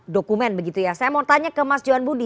dokumen begitu ya saya mau tanya ke mas johan budi